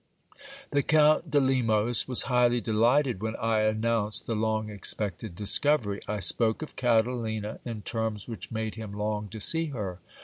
The Count de Lemos was highly delighted when I announced the long ex pected discovery. I spoke of Catalina in terms which made him long to see her.